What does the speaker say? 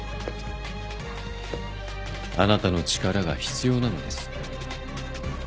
あなたの力が必要なのです。